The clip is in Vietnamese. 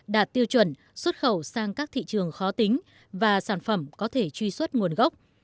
đạt tiêu chuẩn xuất khẩu sang các thị trường khó tính và sản phẩm có thể truy xuất nguồn gốc